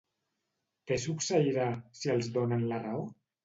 Què succeirà, si els donen la raó?